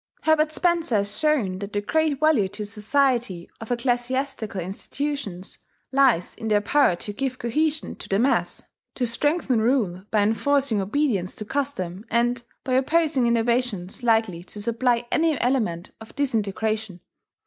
... Herbert Spencer has shown that the great value to society of ecclesiastical institutions lies in their power to give cohesion to the mass, to strengthen rule by enforcing obedience to custom, and by opposing innovations likely to supply any element of disintegration.